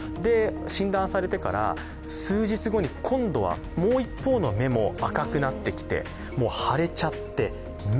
診断されてから数日後に今度はもう一方の目も赤くなってきて腫れちゃって、目、